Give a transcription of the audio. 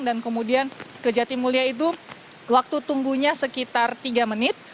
dan kemudian ke jati mulia itu waktu tunggunya sekitar tiga menit